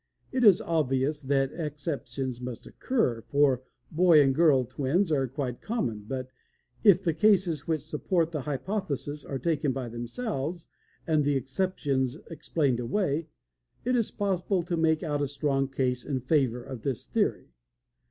It is obvious that exceptions must occur, for boy and girl twins are quite common, but if the cases which support the hypothesis are taken by themselves, and the exceptions explained away, it is possible to make out a strong case in favor of this theory.